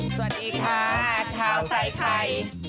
สวัสดีค่ะทาวไซค์ไทย